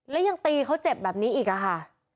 แล้วยังตีเขาเจ็บแบบนี้อีกค่ะ